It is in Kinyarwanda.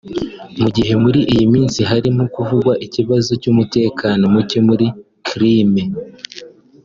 Mu gihe muri iyi minsi harimo kuvugwa ikibazo cy’umutekano muke muri Crimée/ Crimea